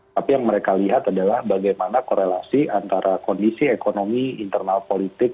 tapi yang mereka lihat adalah bagaimana korelasi antara kondisi ekonomi internal politik